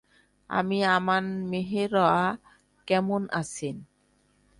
আমি আমান মেহরা কেমন আছেন?